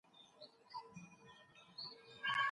که پایلي تشویقوونکې وي نو زده کوونکي نوره هڅه کوي.